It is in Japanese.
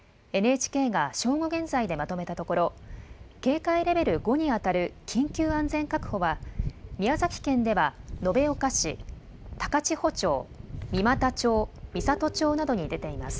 ＮＨＫが正午現在でまとめたところ、警戒レベル５に当たる緊急安全確保は、宮崎県では延岡市、高千穂町、三股町、美郷町などに出ています。